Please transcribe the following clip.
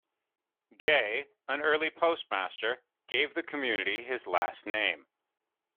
Gay, an early postmaster, gave the community his last name.